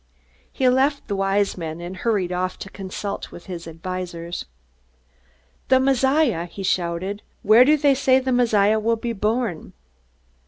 He left the Wise Men, and hurried off to consult with his advisers. "The Messiah!" he shouted. "Where do they say the Messiah will be born?"